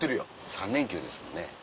３連休ですもんね。